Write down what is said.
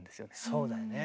そうだよね。